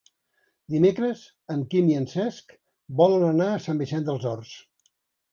Dimecres en Quim i en Cesc volen anar a Sant Vicenç dels Horts.